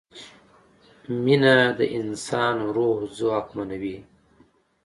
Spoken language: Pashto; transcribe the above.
مینه د انسان روح ځواکمنوي.